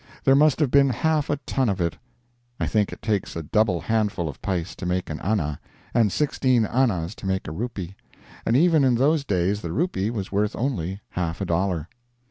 There must have been half a ton of it. I think it takes a double handful of pice to make an anna, and 16 annas to make a rupee; and even in those days the rupee was worth only half a dollar.